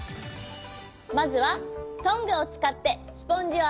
まずはトングをつかってスポンジをあつめるゲームだよ。